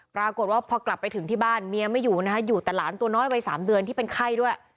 ปรากฏว่าพอกลับไปถึงที่บ้านเมียไม่อยู่นะคะอยู่แต่หลานตัวน้อยวัย๓เดือนที่เป็นไข้ด้วย